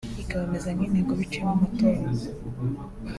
ikawemeza nk’itegeko biciye mu matora